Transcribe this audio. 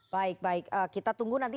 baik baik kita tunggu nanti